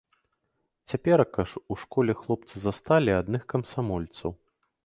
Цяперака ж у школе хлопцы засталі адных камсамольцаў.